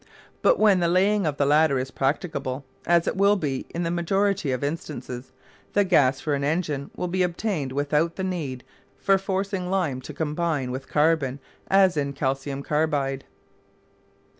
But when the laying of the latter is practicable as it will be in the majority of instances the gas for an engine will be obtainable without the need for forcing lime to combine with carbon as in calcium carbide.